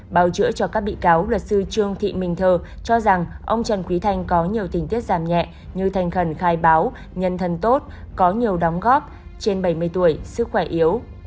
bào chữa cho các bị cáo luật sư trương thị mình thờ cho rằng ông trần quý thanh có nhiều tình tiết giảm nhẹ như thành khẩn khai báo nhân thân tốt có nhiều đóng góp trên bảy mươi tuổi sức khỏe yếu